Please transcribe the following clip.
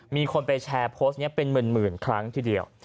มีคนไปแชร์โพสต์นี้เป็นหมื่นครั้งทีเดียว